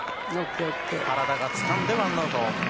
原田がつかんでワンアウト。